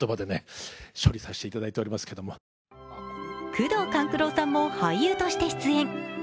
宮藤官九郎さんも俳優として出演。